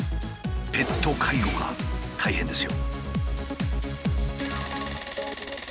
ペット介護が大変ですよ。